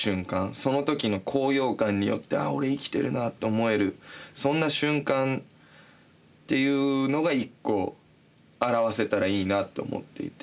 その時の高揚感によって「ああ俺生きてるな」と思えるそんな瞬間っていうのが一個表せたらいいなと思っていて。